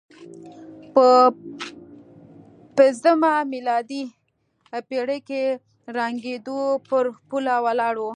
په پځمه میلادي پېړۍ کې ړنګېدو پر پوله ولاړ و.